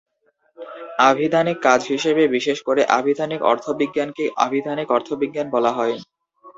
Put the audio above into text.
আভিধানিক কাজ হিসেবে বিশেষ করে আভিধানিক অর্থবিজ্ঞানকে আভিধানিক অর্থবিজ্ঞান বলা হয়।